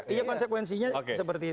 iya konsekuensinya seperti itu